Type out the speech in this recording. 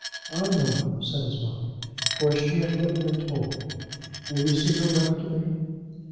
"I know," said his mother; "for she has written and told me. Will you see her letter to me?"